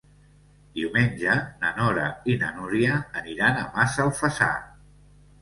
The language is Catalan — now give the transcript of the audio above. Diumenge na Nora i na Núria aniran a Massalfassar.